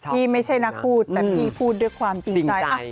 ไม่ใช่นักพูดแต่พี่พูดด้วยความจริงใจ